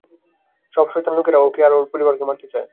সব শয়তান লোকেরা ওকে আর ওর পরিবারকে মারতে চায়।